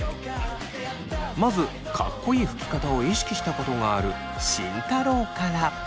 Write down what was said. まずかっこいいふき方を意識したことがある慎太郎から。